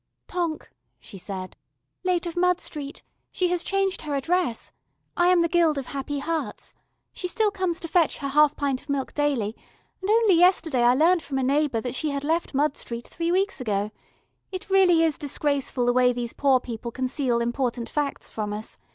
"Tonk," she said. "Late of Mud Street. She has changed her address. I am the Guild of Happy Hearts. She still comes to fetch her half pint of milk daily, and only yesterday I learnt from a neighbour that she had left Mud Street three weeks ago. It really is disgraceful the way these poor people conceal important facts from us.